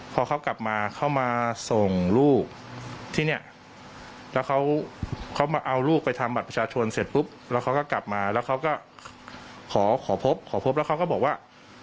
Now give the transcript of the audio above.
พอเขากลับมาเขามาส่งลูกที่เนี่ยแล้วเขามาเอาลูกไปทำบัตรประชาชนเสร็จปุ๊บแล้วเขาก็กลับมาแล้วเขาก็ขอขอพบขอพบแล้วเขาก็บอกว่า